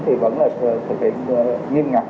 thì vẫn là thực hiện nghiêm ngặt